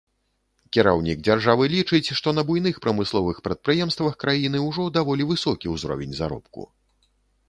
Кіраўнік дзяржавы лічыць, што на буйных прамысловых прадпрыемствах краіны ўжо даволі высокі ўзровень заробку.